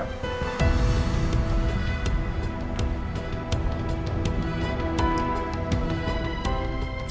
tadi di rocky